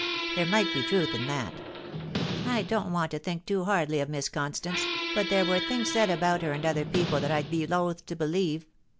There might be truth in that I don't want to think too hardly of Miss Constance, but there were things said about her and other people that I'd be loth to believe.